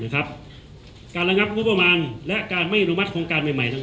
คำนึงงับงุบัมารและการไม่ลุมัสโครงการใหม่ทั้ง๙